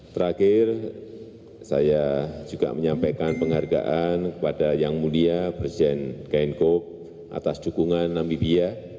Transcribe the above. terakhir saya juga menyampaikan penghargaan kepada yang mulia presiden kenkop atas dukungan nambibia